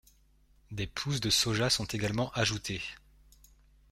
Des pousses de soja sont également ajoutées.